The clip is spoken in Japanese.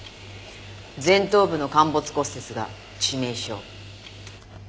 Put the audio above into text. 前頭部の陥没骨折が致命傷。